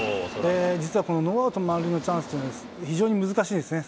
実はこのノーアウト満塁のチャンスというのは非常に難しいんですね。